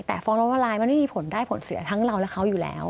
แต่ฟองโลเวอร์ไลน์มันไม่ได้ผลเสียทั้งเราและเขาอยู่แล้ว